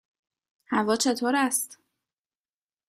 هوا چطور است؟